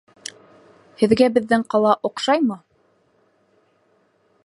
Һеҙгә беҙҙең ҡала оҡшаймы?